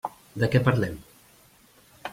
De què parlem?